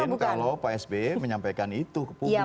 tidak mungkin kalau pak sbe menyampaikan itu ke publik